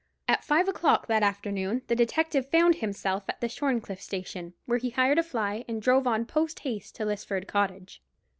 At five o'clock that afternoon the detective found himself at the Shorncliffe station, where he hired a fly and drove on post haste to Lisford cottage.